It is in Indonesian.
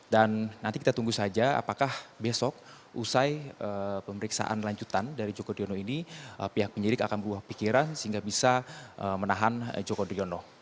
dan nanti kita tunggu saja apakah besok usai pemeriksaan lanjutan dari joko driono ini pihak penyidik akan berubah pikiran sehingga bisa menahan joko driono